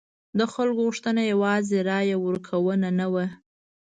د خلکو غوښتنه یوازې رایه ورکونه نه وه.